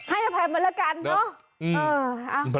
ให้อภัยมันละกันเนอะ